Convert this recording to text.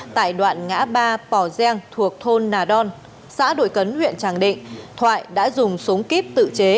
tại đoạn ngã ba pò giang thuộc thôn nà đon xã đội cấn huyện tràng định thoại đã dùng súng kíp tự chế